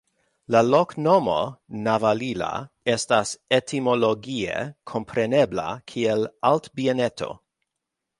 La loknomo "Navalilla" estas etimologie komprenebla kiel Altbieneto.